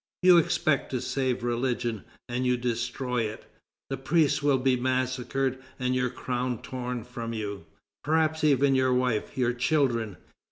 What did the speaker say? You expect to save religion, and you destroy it. The priests will be massacred and your crown torn from you. Perhaps even your wife, your children..."